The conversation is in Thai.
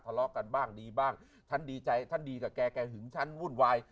พละล้อกันบ้างดีบ้างฉันดีใจฉันดีกับแกแกหึงฉันมุ่นวาย